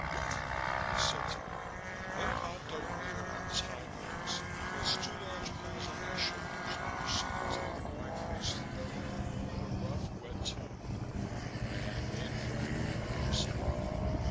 "Wuff!" He said to me. Then Ponto reared on his hind legs, placed two large paws on my shoulders and proceeded to lick my face thoroughly with a rough, wet tongue. I had made a friend, I decided.